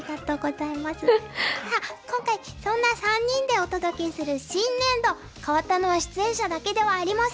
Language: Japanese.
あっ今回そんな３人でお届けする新年度変わったのは出演者だけではありません。